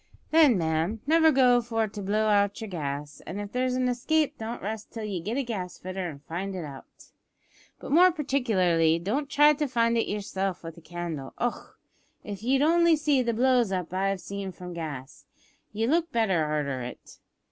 Then, ma'am, never go for to blow out yer gas, an' if there's an escape don't rest till ye get a gasfitter and find it out. But more particularly don't try to find it yerself with a candle. Och! if ye'd only seen the blows up as I've seen from gas, ye'd look better arter it.